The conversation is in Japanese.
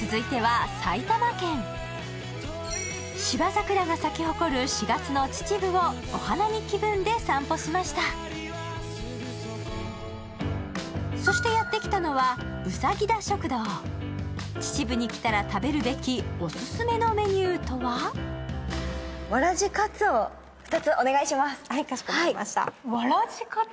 続いては芝桜が咲き誇る４月の秩父をお花見気分で散歩しましたそしてやってきたのは秩父に来たら食べるべきオススメのメニューとははいかしこまりましたわらじカツ？